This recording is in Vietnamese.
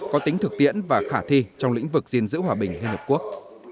có tính thực tiễn và khả thi trong lĩnh vực dình dữ hòa bình liên hợp quốc